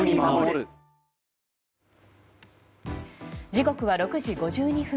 時刻は６時５２分。